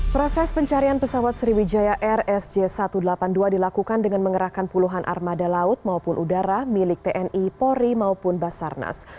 proses pencarian pesawat sriwijaya air sj satu ratus delapan puluh dua dilakukan dengan mengerahkan puluhan armada laut maupun udara milik tni polri maupun basarnas